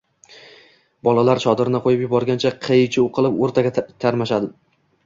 Bolalar chodirni qo‘yib yuborgancha qiy-chuv qilib o‘rtaga tarmashadi.